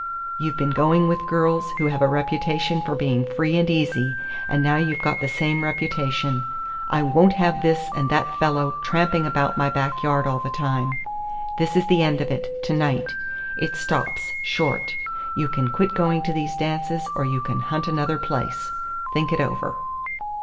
You've been going with girls who have a reputation for being free and easy, and now you've got the same reputation. I won't have this and that fellow tramping about my back yard all the time. This is the end of it, to night. It stops, short. You can quit going to these dances, or you can hunt another place. Think it over."